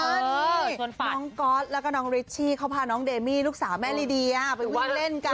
นี่น้องก๊อตแล้วก็น้องริชชี่เขาพาน้องเดมี่ลูกสาวแม่ลีเดียไปวิ่งเล่นกัน